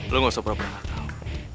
lu gak usah berapa berapa tau